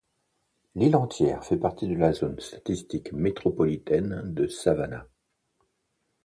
L'île entière fait partie de la zone statistique métropolitaine de Savannah.